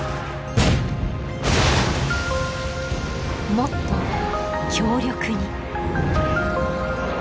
もっと強力に。